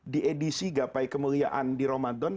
di edisi gapai kemuliaan di ramadan